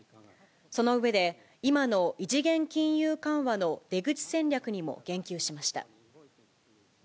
その上で、今の異次元金融緩和の出口戦略にも言及しました。